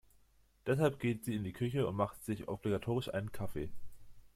Deshalb geht sie in die Küche und macht sich obligatorisch einen Kaffee.